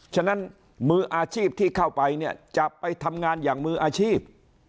ฉะนั้นมืออาชีพที่เข้าไปเนี่ยจะไปทำงานอย่างมืออาชีพ